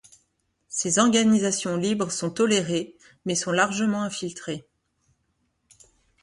Ces organisations libres sont tolérées mais sont largement infiltrées.